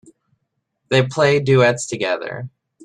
They play duets together.